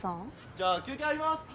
じゃあ休憩入ります。